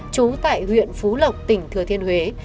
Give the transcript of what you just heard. chú tại huyện phú lộc tỉnh thừa thiên huế